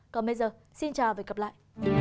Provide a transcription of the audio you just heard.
còn bây giờ xin chào và hẹn gặp lại